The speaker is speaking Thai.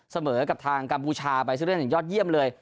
เสมอกับทางกัมพูชาไปซึ่งเล่นอย่างยอดเยี่ยมเลย